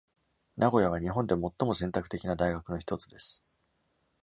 名古屋は日本で最も選択的な大学の一つです。